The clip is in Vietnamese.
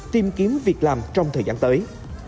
tìm kiếm việc làm trong thời gian tới